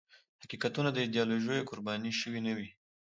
حقیقتونه د ایدیالوژیو قرباني شوي نه وي.